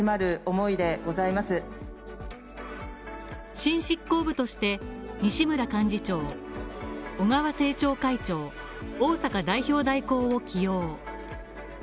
新執行部として西村幹事長小川政調会長逢坂代表代行を起用。